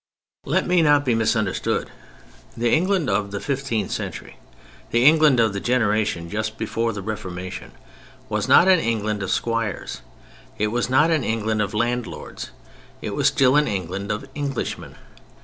Let me not be misunderstood; the England of the fifteenth century, the England of the generation just before the Reformation, was not an England of Squires; it was not an England of landlords; it was still an England of Englishmen.